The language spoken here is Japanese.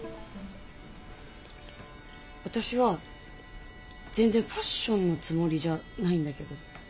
私は全然ファッションのつもりじゃないんだけど。